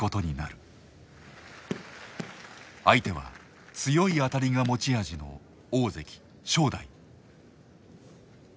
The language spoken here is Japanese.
相手は強い当たりが持ち味の大関正代。